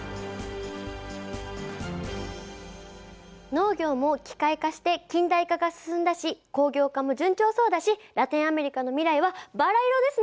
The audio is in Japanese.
農業も機械化して近代化が進んだし工業化も順調そうだしラテンアメリカの未来はバラ色ですね！